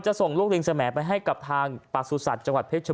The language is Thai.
จะส่งลูกลิงแสแมนไปให้กับทางป่าสูตรสัตว์จังหวัดเพชร